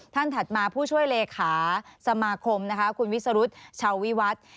ถัดมาผู้ช่วยเลขาสมาคมนะคะคุณวิสรุธชาววิวัฒน์